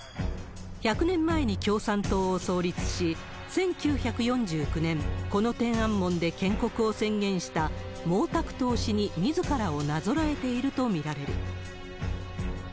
１００年前に共産党を創立し、１９４９年、この天安門で建国を宣言した毛沢東氏にみずからをなぞらえていると見られる。